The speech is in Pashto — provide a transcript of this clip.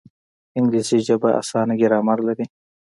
انګلیسي ژبه اسانه ګرامر لري